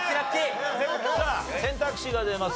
選択肢が出ます。